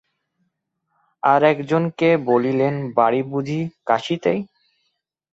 আর একজন কে বলিলেন-বাড়ি বুঝি কাশীতেই?